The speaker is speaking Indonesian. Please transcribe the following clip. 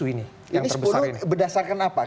ini sepuluh berdasarkan apa